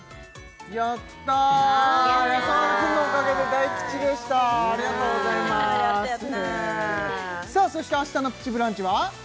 やったーやさ丸くんのおかげで大吉でしたありがとうございまーすさあそして明日の「プチブランチ」は？